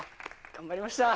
頑張りました